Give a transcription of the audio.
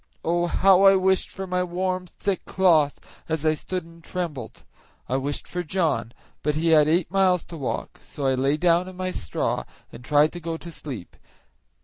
Oh! how I wished for my warm, thick cloth, as I stood and trembled. I wished for John, but he had eight miles to walk, so I lay down in my straw and tried to go to sleep.